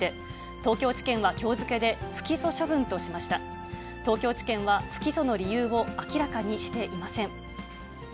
東京地検は不起訴の理由を明らかにしていません。